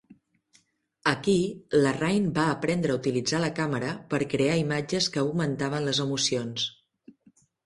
Aquí, Larrain va aprendre a utilitzar la càmera per crear imatges que augmentaven les emocions.